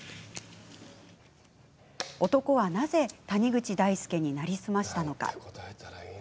男は、なぜ谷口大祐に成り済ましたのか？